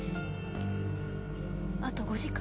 あと５時間。